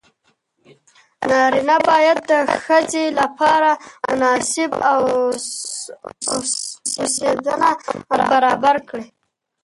نارینه باید د ښځې لپاره مناسب اوسېدنه برابره کړي.